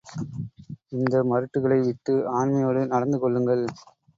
இந்த மருட்டுகளை விட்டு ஆண்மையோடு நடந்து கொள்ளுங்கள்.